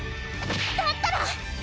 だったら！